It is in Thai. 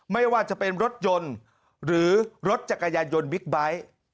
ไม่ว่าจะเป็นรถยนต์หรือรถจักรยานยนต์บิ๊กไบท์